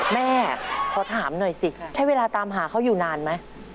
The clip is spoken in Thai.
แม่ขอถามหน่อยสิใช้เวลาตามหาเขาอยู่นานไหม